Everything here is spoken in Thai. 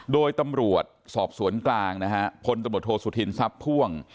โดยตำรวจสอบสวนกลางนะฮะพลตำรวจโทษสุธินทรัพย์พ่วง